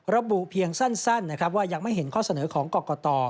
ระบุเพียงสั้นนะครับว่ายังไม่เห็นข้อเสนอของกรกต